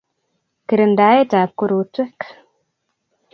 Kirindaet ab korotwek